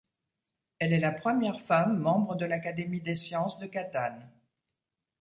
Elle est la première femme membre de l’Académie des sciences de Catane.